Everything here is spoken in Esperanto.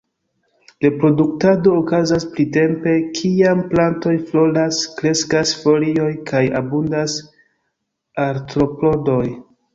Reproduktado okazas printempe kiam plantoj floras, kreskas folioj kaj abundas artropodoj.